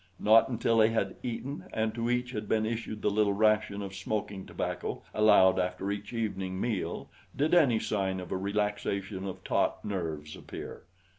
Not until they had eaten and to each had been issued the little ration of smoking tobacco allowed after each evening meal did any sign of a relaxation of taut nerves appear.